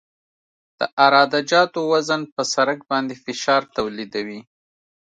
د عراده جاتو وزن په سرک باندې فشار تولیدوي